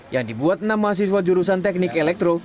yang dibuat enam mahasiswa jurusan teknik elektro